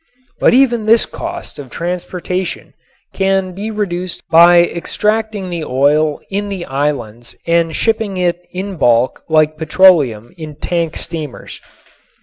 But even this cost of transportation can be reduced by extracting the oil in the islands and shipping it in bulk like petroleum in tank steamers.